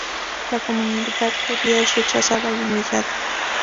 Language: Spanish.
La comunidad judía es rechazada y humillada.